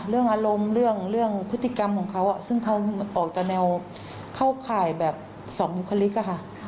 เรื่องอารมณ์เรื่องพฤติกรรมของเขาซึ่งเขาออกจากแนวเข้าข่ายแบบสองบุคลิกอะค่ะ